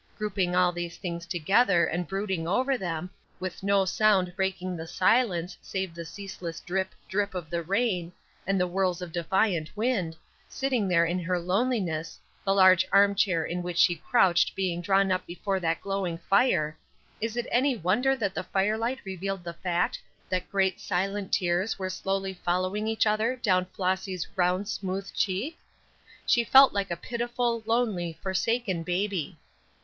Grouping all these things together and brooding over them, with no sound breaking the silence save the ceaseless drip, drip of the rain, and the whirls of defiant wind, sitting there in her loneliness, the large arm chair in which she crouched being drawn up before that glowing fire, is it any wonder that the firelight revealed the fact that great silent tears were slowly following each other down Flossy's round smooth cheek? She felt like a pitiful, lonely, forsaken baby.